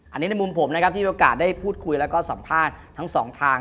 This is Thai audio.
อันนี้ในมุมผมนะครับที่มีโอกาสได้พูดคุยแล้วก็สัมภาษณ์ทั้งสองทาง